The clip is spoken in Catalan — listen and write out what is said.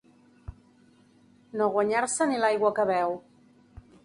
No guanyar-se ni l'aigua que beu.